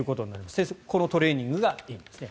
先生、このトレーニングがいいんですね。